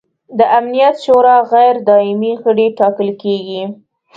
د امنیت شورا غیر دایمي غړي ټاکل کیږي.